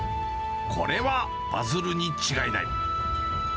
これはバズるに違いない。